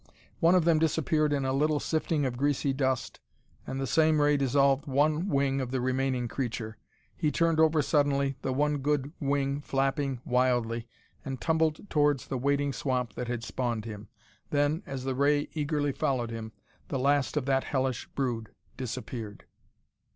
One of them disappeared in a little sifting of greasy dust, and the same ray dissolved one wing of the remaining creature. He turned over suddenly, the one good wing flapping wildly, and tumbled towards the waiting swamp that has spawned him. Then, as the ray eagerly followed him, the last of that hellish brood disappeared.